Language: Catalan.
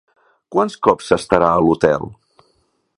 Quants cops s'estarà a l'hotel?